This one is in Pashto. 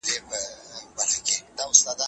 څوک به پرېکړه کوي؟